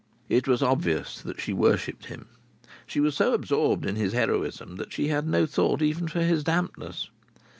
It was obvious that she worshipped him. She was so absorbed in his heroism that she had no thought even for his dampness.